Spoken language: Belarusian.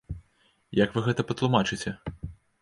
Як вы гэта патлумачыце?